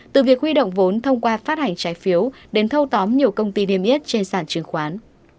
từ việc huy động vốn thông qua phát hành trái phiếu đến thâu tóm nhiều công ty niêm yết trên sản chứng khoán